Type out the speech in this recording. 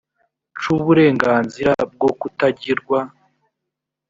c uburenganzira bwo kutagirwa